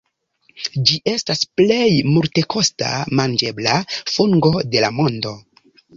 Ĝi estas plej multekosta manĝebla fungo de la mondo.